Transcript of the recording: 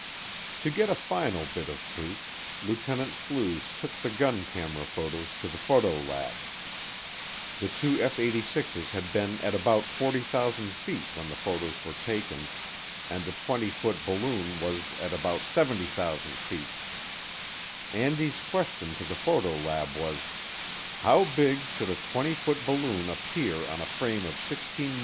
To get a final bit of proof, Lieutenant Flues took the gun camera photos to the photo lab. The two F 86's had been at about 40,000 feet when the photos were taken and the 20 foot balloon was at about 70,000 feet. Andy's question to the photo lab was, "How big should a 20 foot balloon appear on a frame of 16 mm.